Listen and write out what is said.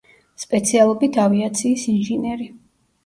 სპეციალობით ავიაციის ინჟინერი.